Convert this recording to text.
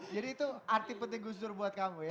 jadi itu arti penting gus dur buat kamu ya